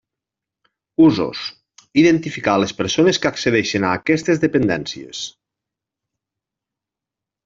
Usos: identificar a les persones que accedeixen a aquestes dependències.